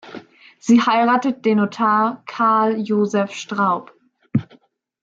Sie heiratet den Notar Karl Josef Straub.